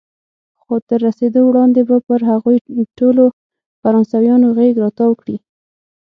خو تر رسېدو وړاندې به پر هغوی ټولو فرانسویان غېږ را تاو کړي.